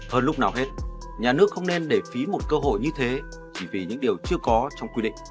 hơn lúc nào hết nhà nước không nên để phí một cơ hội như thế chỉ vì những điều chưa có